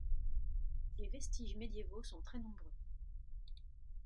Les vestiges médiévaux sont très nombreux.